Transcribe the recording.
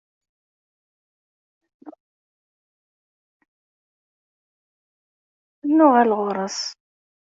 Ad d-nuɣal ɣur-s.